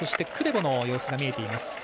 クレボの様子が見えています。